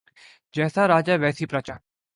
جیسا راجا ویسی پرجا